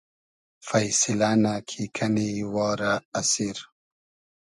فݷسیلۂ نۂ کی کئنی وا رۂ اسیر